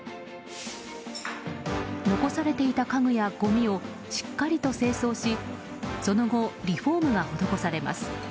残されていた家具やごみをしっかりと清掃しその後リフォームが施されます。